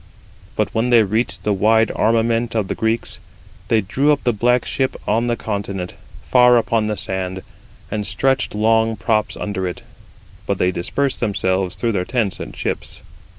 But when they reached the wide armament of the Greeks, they drew up the black ship on the continent, far upon the sand, and stretched long props under it; but they dispersed themselves through their tents and ships.